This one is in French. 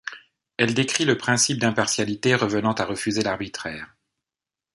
Elle décrit le principe d'impartialité revenant à refuser l'arbitraire.